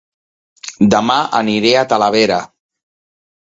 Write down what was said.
Dema aniré a Talavera